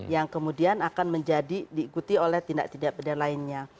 yang kemudian akan menjadi diikuti oleh tindak tindak pidana lainnya